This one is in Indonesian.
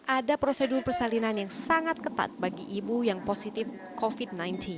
ada prosedur persalinan yang sangat ketat bagi ibu yang positif covid sembilan belas